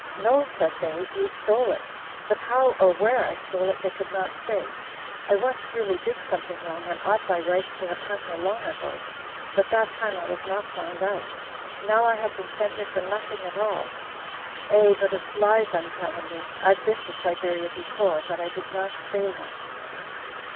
'No,' said they, 'you stole it.' But how or where I stole it they could not say. I once really did something wrong, and ought by rights to have come here long ago, but that time I was not found out. Now I have been sent here for nothing at all... Eh, but it's lies I'm telling you; I've been to Siberia before, but I did not stay long."